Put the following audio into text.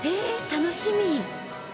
楽しみ。